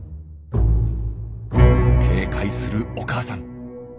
警戒するお母さん。